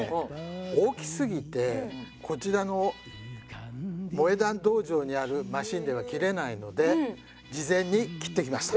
大きすぎてこちらの萌え断道場にあるマシンでは切れないので事前に切ってきました。